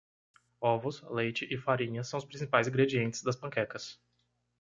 Ovos? leite e farinha são os principais ingredientes das panquecas.